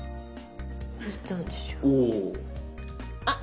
あっ！